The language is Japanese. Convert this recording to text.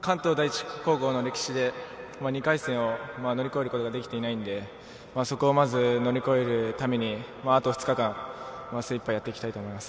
関東第一高校の歴史で２回戦を乗り越えることができていないので、そこをまず乗り越えるために、あと２日間、精いっぱいやっていきたいと思います。